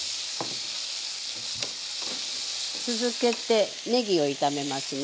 続けてねぎを炒めますね。